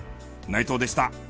内藤でした。